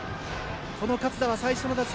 この勝田は最初の打席